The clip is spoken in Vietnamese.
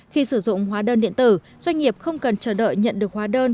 khi sử dụng hóa đơn điện tử doanh nghiệp không cần chờ đợi nhận được hóa đơn